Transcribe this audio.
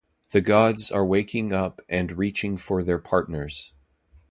The gods are waking up and reaching for their partners.